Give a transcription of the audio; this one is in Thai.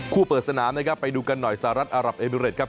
เปิดสนามนะครับไปดูกันหน่อยสหรัฐอารับเอมิเรตครับ